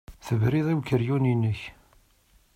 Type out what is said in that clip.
Tebriḍ i ukeryun-nnek.